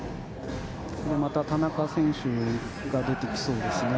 また田中選手が出てきそうですね。